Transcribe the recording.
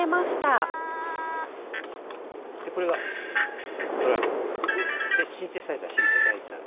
でこれがドラム。でシンセサイザーシンセサイザー。